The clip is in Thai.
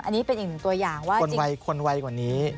อันนี้เป็นอีกหนึ่งตัวอย่างว่าคนไวกว่านี้